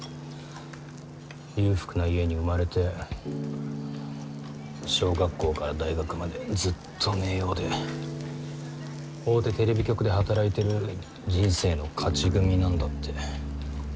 裕福な家に生まれて小学校から大学までずっと明王で大手テレビ局で働いてる人生の勝ち組なんだって。